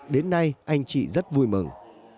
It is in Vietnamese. đến nay anh chị rất vui mừng